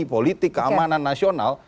politik keamanan nasional